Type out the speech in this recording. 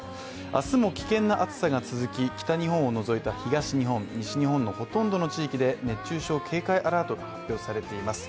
明日も危険な暑さが続き、北日本を除いた東日本、西日本のほとんどの地域で熱中症警戒アラートが発表されています。